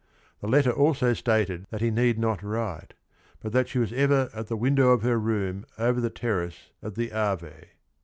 The letter also stated that he need not write, but that she was ever "at the window of her room, over the terrace, at the Ave."